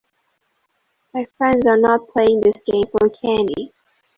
My friends are not playing this game for candy.